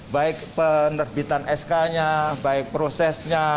baik penerbitan sk nya baik prosesnya